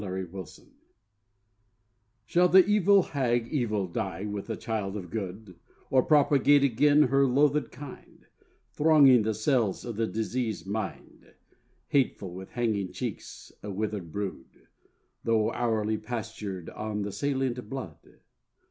XVII =Sonnet= Shall the hag Evil die with the child of Good, Or propagate again her loathèd kind, Thronging the cells of the diseased mind, Hateful with hanging cheeks, a withered brood, Though hourly pastured on the salient blood?